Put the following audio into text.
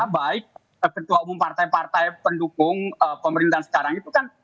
baik ketua umum partai partai pendukung pemerintahan sekarang itu kan